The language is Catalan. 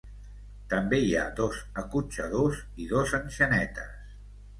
També hi ha dos acotxadors i dos enxanetes.